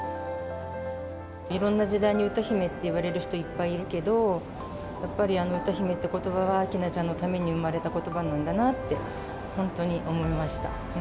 いろんな時代に歌姫って呼ばれる人いっぱいいるけど、やっぱりあの歌姫っていうことばは明菜ちゃんのために生まれたことばなんだなって、本当に思いました。